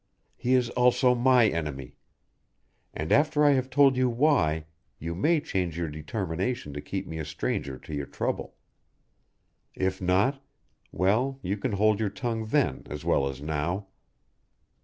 He is also my enemy. And after I have told you why you may change your determination to keep me a stranger to your trouble. If not well, you can hold your tongue then as well as now."